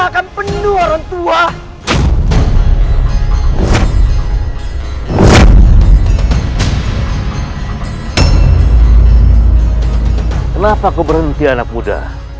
kenapa kau berhenti anak muda